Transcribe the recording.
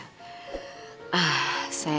saya memang biasanya detail